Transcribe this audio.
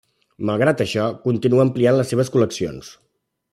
Malgrat això, continua ampliant les seves col·leccions.